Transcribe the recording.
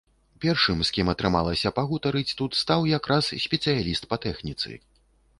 Першым, з кім атрымалася пагутарыць тут, стаў як раз спецыяліст па тэхніцы.